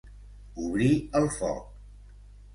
Obrir el foc.